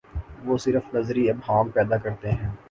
وہ صرف نظری ابہام پیدا کرتے ہیں۔